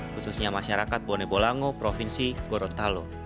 khususnya masyarakat bone bolango provinsi gorontalo